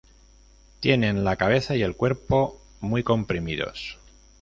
Tienen la cabeza y el cuerpo muy comprimidos.